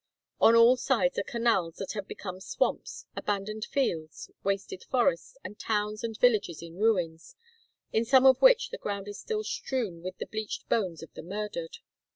On all sides are canals that have become swamps, abandoned fields, wasted forests, and towns and villages in ruins, in some of which the ground is still strewn with the bleached bones of the murdered.